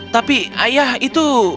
tapi ayah itu